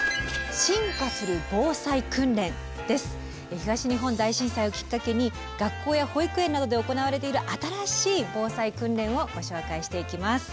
東日本大震災をきっかけに学校や保育園などで行われている新しい防災訓練をご紹介していきます。